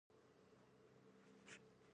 لکه لګيا يمه امبور کښې ترې څرمنه نيسم